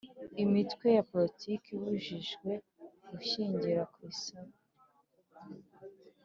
Imitwe ya politiki ibujijwe gushingira ku isano